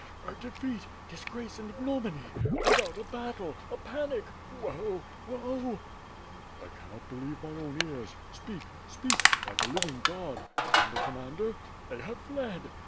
"A defeat, disgrace and ignoxoiny! Without a battle. .. a panic! Woe! Woe!" "I cannot believe my own ears. Speak, speak! By the Living God. ... and the Commander?" "They have fled."